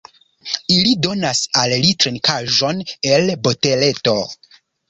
Ili donas al li trinkaĵon el boteleto.